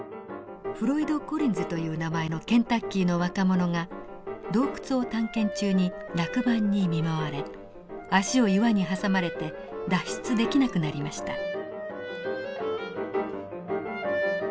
フロイド・コリンズという名前のケンタッキーの若者が洞窟を探検中に落盤に見舞われ足を岩に挟まれて脱出できなくなりました。